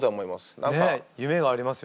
ねっ夢がありますよね。